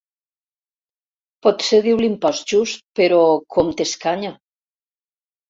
Potser diu l'impost just, però com t'escanya!